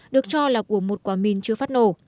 được cho là của một quả mìn chưa phát nổ